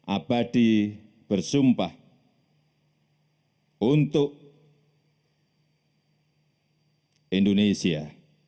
abadi bersumpah untuk indonesia